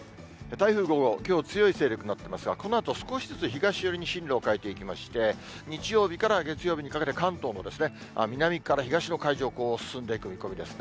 台風５号、きょう強い勢力になっていますが、このあと少しずつ東寄りに進路を変えていきまして、日曜日から月曜日にかけて、関東の南から東の海上を進んでいく見込みですね。